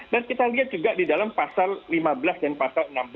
dan kita lihat juga di dalam pasal lima belas dan pasal enam belas